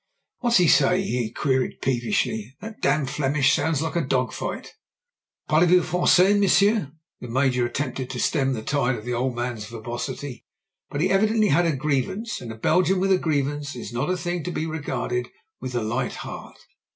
"What's he say?" he queried, peevishly. "That damn Flemish sounds like a dog fight." "Parlez vous Frangais, monsieur?" The Major at tempted to stem the tide of the old man's verbosity, but he evidently had a grievance, and a Belgian with a grievance is not a thing to be regarded with a light heart.